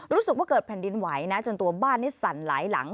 รู้สึกว่าเกิดแผ่นดินไหวนะจนตัวบ้านนี้สั่นหลายหลัง